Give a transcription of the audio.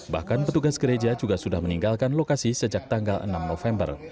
bahkan petugas gereja juga sudah meninggalkan lokasi sejak tanggal enam november